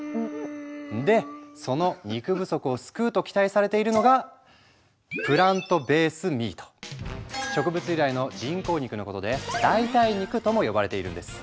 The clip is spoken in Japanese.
でその肉不足を救うと期待されているのが植物由来の人工肉のことで代替肉とも呼ばれているんです。